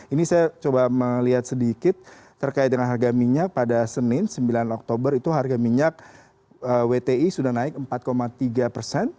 ini saya coba melihat sedikit terkait dengan harga minyak pada senin sembilan oktober itu harga minyak wti sudah naik empat tiga persen